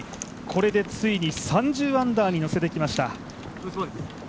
これでついに３０アンダーにのせてきました。